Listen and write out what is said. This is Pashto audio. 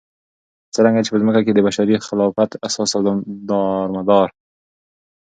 څرنګه چې په ځمكه كې دبشري خلافت اساس او دارمدار